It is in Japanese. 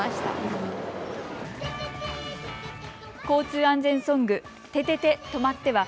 交通安全ソング、ててて！